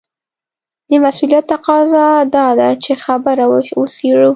د مسووليت تقاضا دا ده چې خبره وڅېړو.